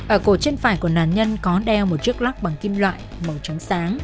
ở cổ trên phải của nạn nhân có đeo một chiếc lắc bằng kim loại màu trắng sáng